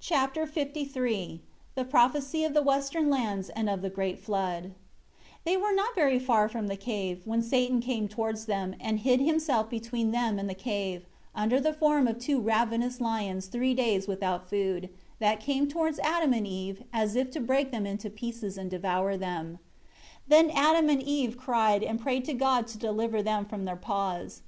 Chapter LIII The prophecy of the Western Lands and of the great flood. 1 They were not very far from the cave, when Satan came towards them, and hid himself between them and the cave, under the form of two ravenous lions three days without food, that came towards Adam and Eve, as if to break them in pieces and devour them. 2 Then Adam and Eve cried, and prayed God to deliver them from their paws.